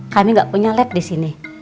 kami gak punya lab disini